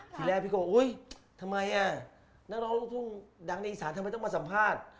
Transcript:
ทีแรกพี่โกะโอ้ยทำไมไม่รู้เพิ่งดังในอิสานทำไมต้องมาสัมภาษณ์